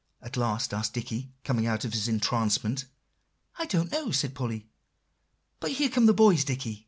at last asked Dicky, coming out of his entrancement. "I don't know," said Polly; "but here come the boys, Dicky."